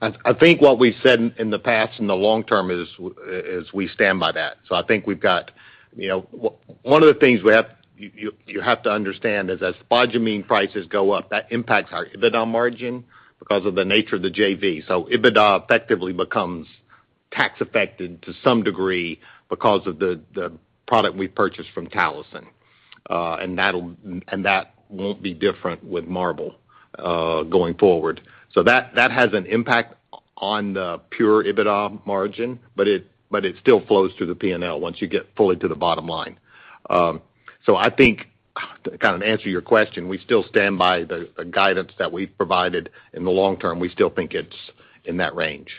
S3: I think what we said in the past, in the long term, is we stand by that. I think we've got, you know, one of the things you have to understand is as spodumene prices go up, that impacts our EBITDA margin because of the nature of the JV. EBITDA effectively becomes tax affected to some degree because of the product we purchased from Talison. That won't be different with MARBL going forward. That has an impact on the pure EBITDA margin, but it still flows through the P&L once you get fully to the bottom line. I think, to kind of answer your question, we still stand by the guidance that we've provided in the long term. We still think it's in that range.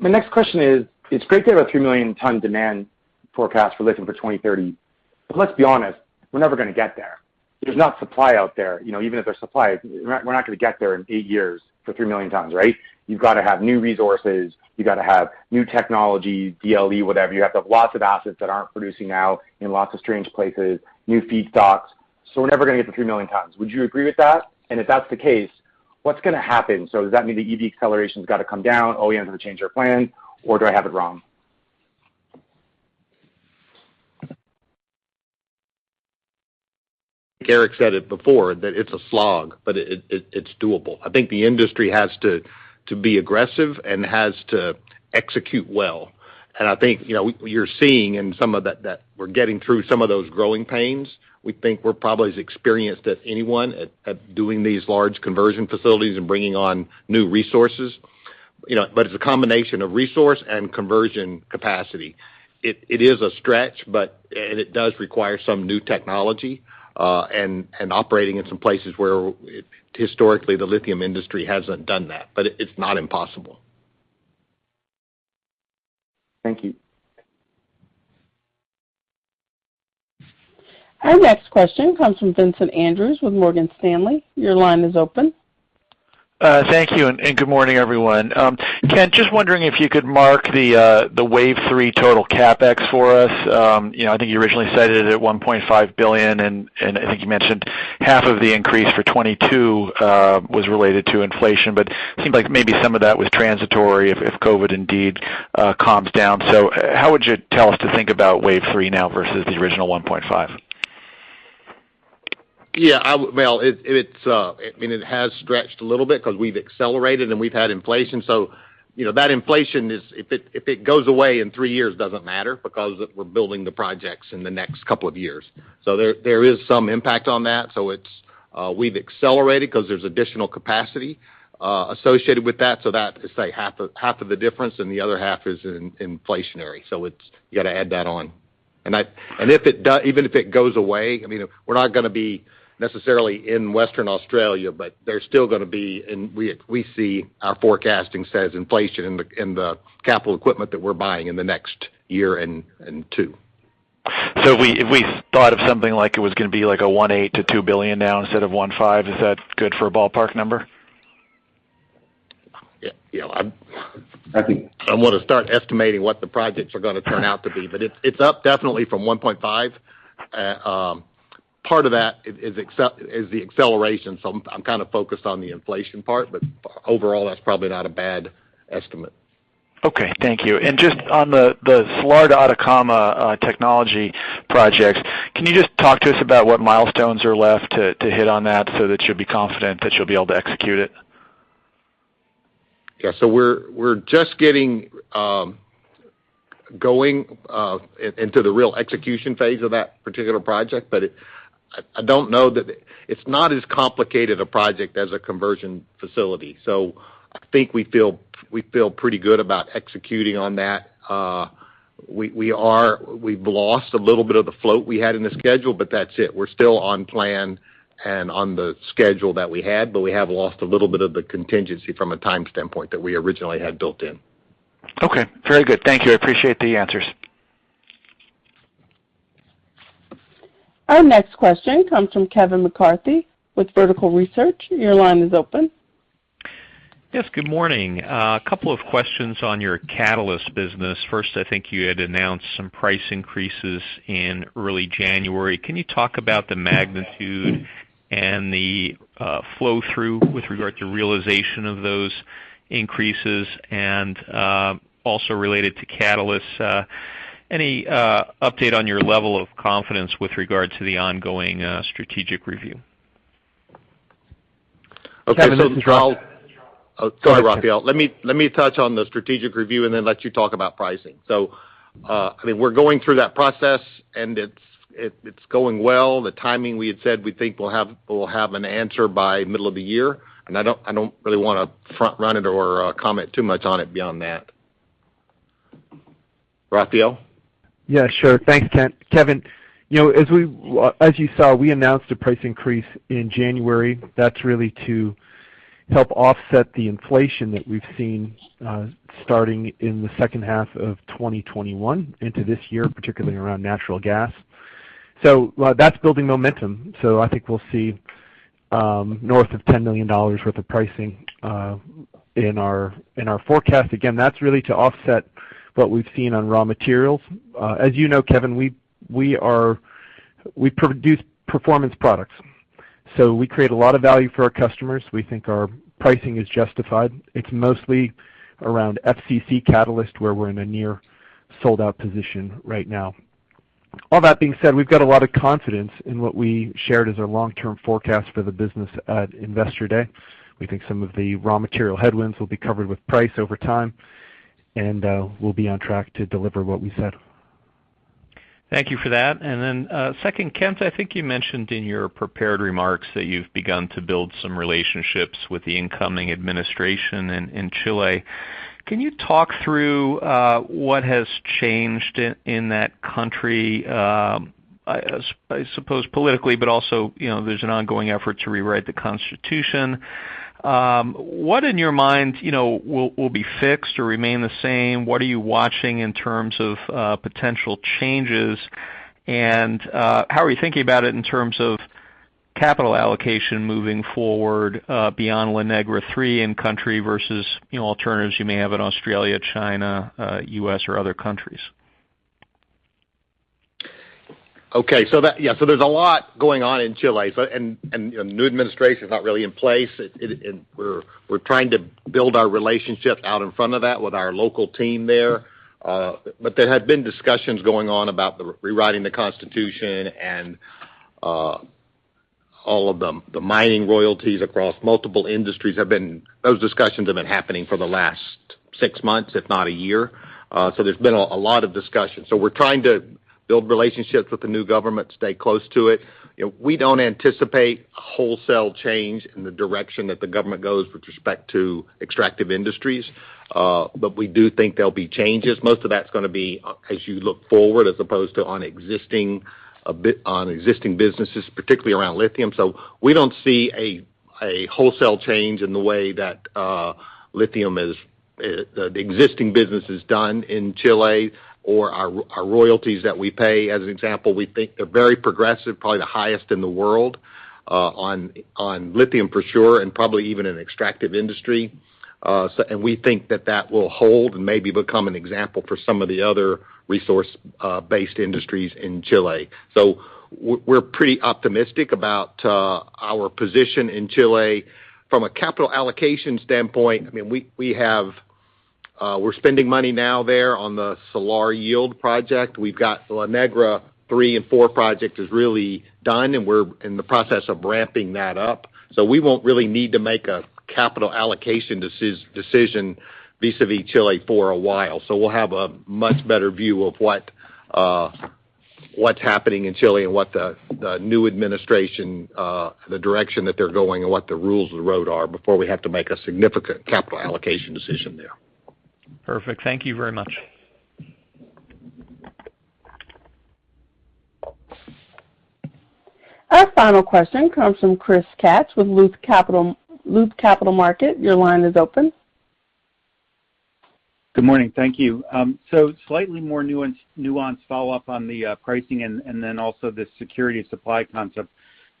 S13: My next question is: It's great to have a 3 million ton demand forecast for lithium for 2030. Let's be honest, we're never gonna get there. There's no supply out there. You know, even if there's supply, we're not gonna get there in 8 years for 3 million tons, right? You've gotta have new resources. You've gotta have new technology, DLE, whatever. You have to have lots of assets that aren't producing now in lots of strange places, new feedstocks. We're never gonna get to 3 million tons. Would you agree with that? If that's the case, what's gonna happen? Does that mean the EV acceleration's gotta come down, oh, we have to change our plan, or do I have it wrong?
S3: Eric said it before that it's a slog, but it's doable. I think the industry has to be aggressive and has to execute well. I think, you know, we're seeing some of that we're getting through some of those growing pains. We think we're probably as experienced as anyone at doing these large conversion facilities and bringing on new resources, you know. It's a combination of resource and conversion capacity. It is a stretch, but it does require some new technology, and operating in some places where historically, the lithium industry hasn't done that, but it's not impossible.
S13: Thank you.
S1: Our next question comes from Vincent Andrews with Morgan Stanley. Your line is open.
S14: Thank you, and good morning, everyone. Kent, just wondering if you could walk us through the wave three total CapEx for us. You know, I think you originally cited it at $1.5 billion, and I think you mentioned half of the increase for 2022 was related to inflation. But it seemed like maybe some of that was transitory if COVID indeed calms down. How would you tell us to think about wave three now versus the original 1.5?
S3: Well, it's. I mean, it has stretched a little bit 'cause we've accelerated and we've had inflation. You know, that inflation is if it goes away in three years, doesn't matter because we're building the projects in the next couple of years. There is some impact on that. It's, we've accelerated 'cause there's additional capacity associated with that, so that is, say, half of the difference, and the other half is inflationary. You gotta add that on. Even if it goes away, I mean, we're not gonna be necessarily in Western Australia, but there's still gonna be. We see our forecasting says inflation in the capital equipment that we're buying in the next year and two.
S14: If we thought of something like it was gonna be like $1.8 billion-$2 billion now instead of $1.5 billion, is that good for a ballpark number?
S3: Yeah, you know,
S11: I think-
S3: I don't wanna start estimating what the projects are gonna turn out to be, but it's up definitely from 1.5. Part of that is the acceleration, so I'm kind of focused on the inflation part. Overall, that's probably not a bad estimate.
S14: Okay, thank you. Just on the Salar de Atacama technology projects, can you just talk to us about what milestones are left to hit on that so that you'll be confident that you'll be able to execute it?
S3: We're just getting going into the real execution phase of that particular project. It's not as complicated a project as a conversion facility. I think we feel pretty good about executing on that. We've lost a little bit of the float we had in the schedule, but that's it. We're still on plan and on the schedule that we had, but we have lost a little bit of the contingency from a time standpoint that we originally had built in.
S14: Okay. Very good. Thank you. I appreciate the answers.
S1: Our next question comes from Kevin McCarthy with Vertical Research. Your line is open.
S15: Yes, good morning. A couple of questions on your catalyst business. First, I think you had announced some price increases in early January. Can you talk about the magnitude and the flow-through with regard to realization of those increases? Also related to catalysts, any update on your level of confidence with regard to the ongoing strategic review?
S3: Okay.
S16: Kevin, this is Raphael.
S3: Oh, sorry, Raphael. Let me touch on the strategic review and then let you talk about pricing. I mean, we're going through that process, and it's going well. The timing, we had said we think we'll have an answer by middle of the year. I don't really wanna front run it or comment too much on it beyond that. Raphael?
S16: Yeah, sure. Thanks, Kent. Kevin, you know, as you saw, we announced a price increase in January. That's really to help offset the inflation that we've seen, starting in the second half of 2021 into this year, particularly around natural gas. That's building momentum, so I think we'll see north of $10 million worth of pricing in our forecast. Again, that's really to offset what we've seen on raw materials. As you know, Kevin, we are. We produce performance products, so we create a lot of value for our customers. We think our pricing is justified. It's mostly around FCC catalyst, where we're in a near sold-out position right now. All that being said, we've got a lot of confidence in what we shared as our long-term forecast for the business at Investor Day. We think some of the raw material headwinds will be covered with price over time, and we'll be on track to deliver what we said.
S15: Thank you for that. Second, Kent, I think you mentioned in your prepared remarks that you've begun to build some relationships with the incoming administration in Chile. Can you talk through what has changed in that country, I suppose politically, but also, you know, there's an ongoing effort to rewrite the Constitution. What in your mind, you know, will be fixed or remain the same? What are you watching in terms of potential changes? How are you thinking about it in terms of capital allocation moving forward, beyond La Negra III in country versus, you know, alternatives you may have in Australia, China, U.S. or other countries?
S3: There's a lot going on in Chile and new administration is not really in place. We're trying to build our relationship out in front of that with our local team there. There have been discussions going on about rewriting the Constitution and all of them, the mining royalties across multiple industries. Those discussions have been happening for the last six months, if not a year. There's been a lot of discussion. We're trying to build relationships with the new government, stay close to it. You know, we don't anticipate wholesale change in the direction that the government goes with respect to extractive industries, but we do think there'll be changes. Most of that's gonna be, as you look forward, as opposed to on existing businesses, particularly around lithium. We don't see a wholesale change in the way that lithium is the existing business is done in Chile or our royalties that we pay. As an example, we think they're very progressive, probably the highest in the world on lithium for sure, and probably even in extractive industry. We think that that will hold and maybe become an example for some of the other resource based industries in Chile. We're pretty optimistic about our position in Chile. From a capital allocation standpoint, I mean, we have we're spending money now there on the Salar Yield project. We've got La Negra III and IV project is really done, and we're in the process of ramping that up. We won't really need to make a capital allocation decision vis-à-vis Chile for a while. We'll have a much better view of what's happening in Chile and what the new administration, the direction that they're going and what the rules of the road are before we have to make a significant capital allocation decision there.
S15: Perfect. Thank you very much.
S1: Our final question comes from Chris Kapsch with Loop Capital Markets. Your line is open.
S17: Good morning. Thank you. Slightly more nuanced follow-up on the pricing and then also the security of supply concept,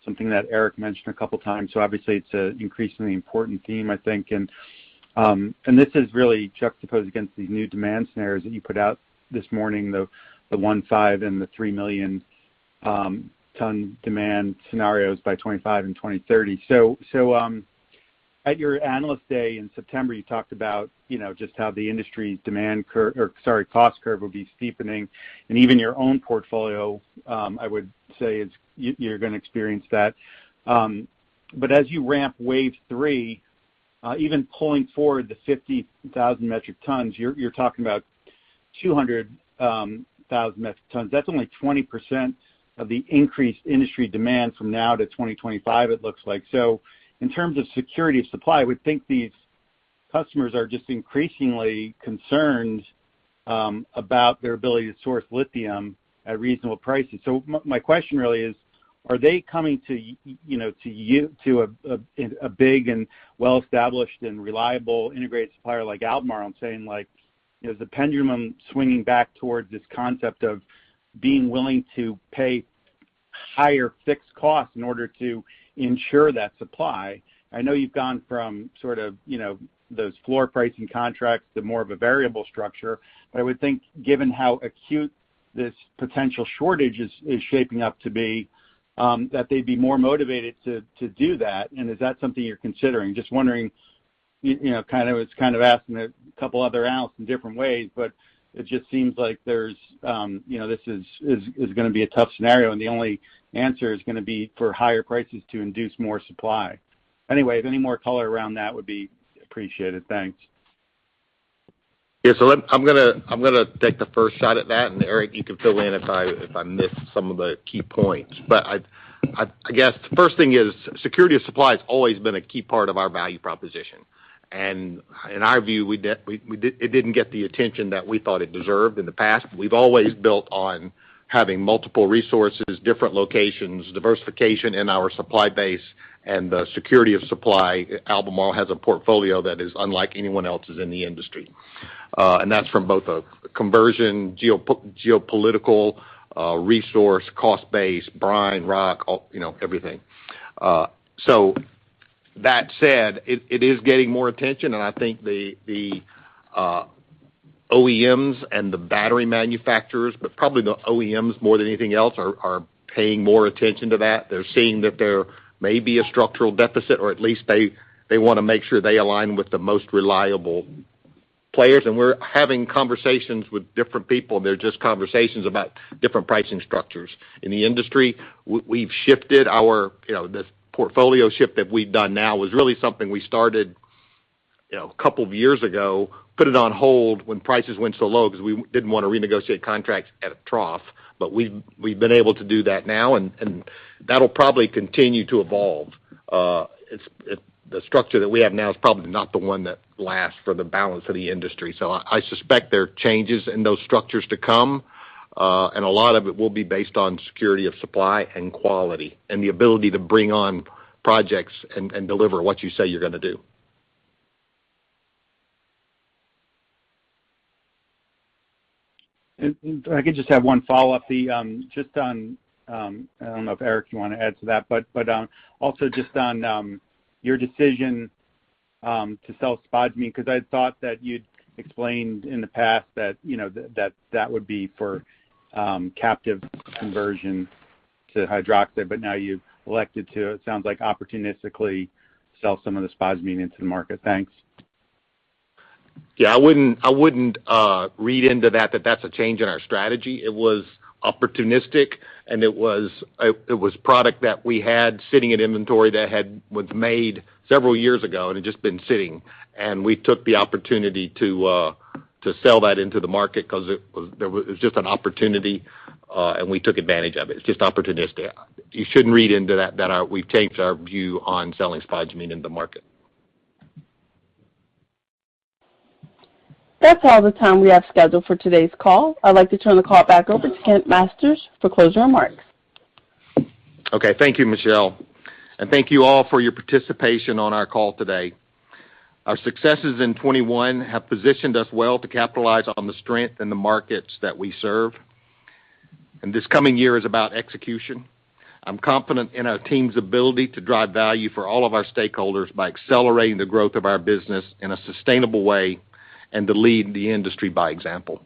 S17: something that Eric mentioned a couple of times. Obviously it's an increasingly important theme, I think. This is really juxtaposed against these new demand scenarios that you put out this morning, the 1.5 and the 3 million ton demand scenarios by 2025 and 2030. At your Analyst Day in September, you talked about, you know, just how the industry cost curve would be steepening. Even your own portfolio, I would say, you're gonna experience that. As you ramp wave three, even pulling forward the 50,000 metric tons, you're talking about 200,000 metric tons. That's only 20% of the increased industry demand from now to 2025, it looks like. In terms of security of supply, I would think these customers are just increasingly concerned about their ability to source lithium at reasonable prices. My question really is: Are they coming to you know, to a big and well-established and reliable integrated supplier like Albemarle and saying, like, you know, is the pendulum swinging back towards this concept of being willing to pay higher fixed costs in order to ensure that supply? I know you've gone from sort of, you know, those floor pricing contracts to more of a variable structure. I would think, given how acute this potential shortage is shaping up to be, that they'd be more motivated to do that. Is that something you're considering? Just wondering, you know, kind of, it's kind of asking a couple other analysts in different ways, but it just seems like there's, you know, this is gonna be a tough scenario, and the only answer is gonna be for higher prices to induce more supply. Anyway, any more color around that would be appreciated. Thanks.
S3: I'm gonna take the first shot at that, and Eric, you can fill in if I miss some of the key points. I guess the first thing is security of supply has always been a key part of our value proposition. In our view, it didn't get the attention that we thought it deserved in the past. We've always built on having multiple resources, different locations, diversification in our supply base, and the security of supply. Albemarle has a portfolio that is unlike anyone else's in the industry. That's from both a conversion, geopolitical, resource, cost base, brine, rock, all, you know, everything. That said, it is getting more attention, and I think the OEMs and the battery manufacturers, but probably the OEMs more than anything else, are paying more attention to that. They're seeing that there may be a structural deficit, or at least they wanna make sure they align with the most reliable players. We're having conversations with different people. They're just conversations about different pricing structures. In the industry, we've shifted our, you know, this portfolio shift that we've done now was really something we started, you know, a couple of years ago, put it on hold when prices went so low because we didn't wanna renegotiate contracts at a trough. We've been able to do that now, and that'll probably continue to evolve. It's the structure that we have now is probably not the one that lasts for the balance of the industry. I suspect there are changes in those structures to come, and a lot of it will be based on security of supply and quality, and the ability to bring on projects and deliver what you say you're gonna do.
S17: If I could just have one follow-up, just on I don't know if, Eric, you wanna add to that, but also just on your decision to sell spodumene, 'cause I'd thought that you'd explained in the past that, you know, that would be for captive conversion to hydroxide, but now you've elected to, it sounds like, opportunistically sell some of the spodumene into the market. Thanks.
S3: Yeah, I wouldn't read into that that's a change in our strategy. It was opportunistic, and it was product that we had sitting in inventory that was made several years ago and had just been sitting. We took the opportunity to sell that into the market 'cause it was just an opportunity, and we took advantage of it. It's just opportunistic. You shouldn't read into that we've changed our view on selling spodumene in the market.
S1: That's all the time we have scheduled for today's call. I'd like to turn the call back over to Kent Masters for closing remarks.
S3: Okay. Thank you, Michelle. Thank you all for your participation on our call today. Our successes in 2021 have positioned us well to capitalize on the strength in the markets that we serve. This coming year is about execution. I'm confident in our team's ability to drive value for all of our stakeholders by accelerating the growth of our business in a sustainable way and to lead the industry by example.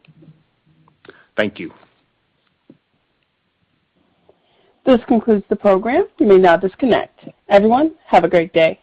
S3: Thank you.
S1: This concludes the program. You may now disconnect. Everyone, have a great day.